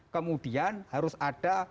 kemudian harus ada